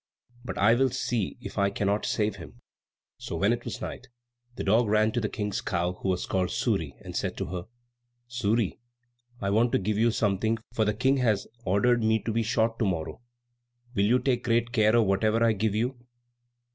But I will see if I cannot save him." So when it was night, the dog ran to the King's cow, who was called Suri, and said to her, "Suri, I want to give you something, for the King has ordered me to be shot to morrow. Will you take great care of whatever I give you?"